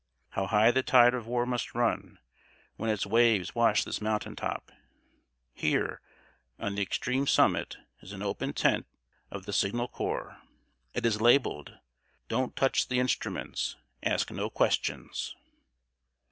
How high the tide of war must run, when its waves wash this mountain top! Here, on the extreme summit, is an open tent of the Signal Corps. It is labeled: "DON'T TOUCH THE INSTRUMENTS. ASK NO QUESTIONS."